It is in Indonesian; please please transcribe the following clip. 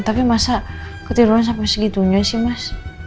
tapi masa ketiruan sampai segitunya sih mas